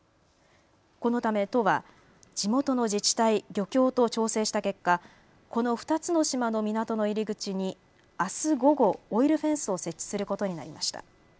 このため都は地元の自治体、漁協と調整した結果、この２つの島の港の入り口にあす午後、オイルフェンスを設置することになりました。